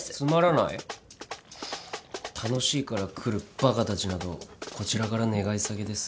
楽しいから来るバカたちなどこちらから願い下げです。